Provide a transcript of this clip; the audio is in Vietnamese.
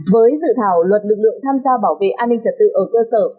với dự thảo luật lực lượng tham gia bảo vệ an ninh trật tự ở cơ sở